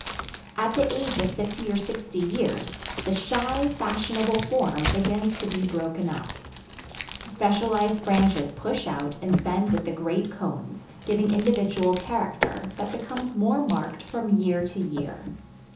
At the age of fifty or sixty years, the shy, fashionable form begins to be broken up. Specialized branches push out and bend with the great cones, giving individual character, that becomes more marked from year to year.